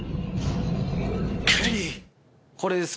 これです